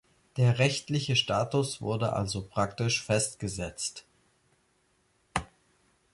Der rechtliche Status wurde also praktisch festgesetzt.